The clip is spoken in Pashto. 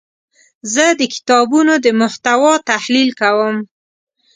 زه د کتابونو د محتوا تحلیل کوم.